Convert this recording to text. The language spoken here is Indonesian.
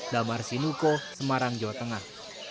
damar sinuko semarang jawa tengah